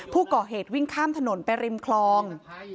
ผู้ก่อเหตุวิ่งข้ามถนนไปริมคลอง